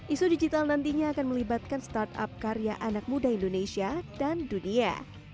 isu digital nantinya akan melibatkan startup karya anak muda indonesia dan dunia